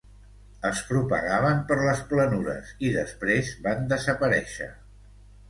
Es propagaven per les planures, i després van desaparèixer.